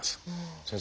先生